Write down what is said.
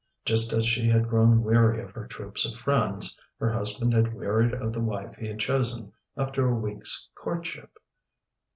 Just as she had grown weary of her troops of friends, her husband had wearied of the wife he had chosen after a week's courtship.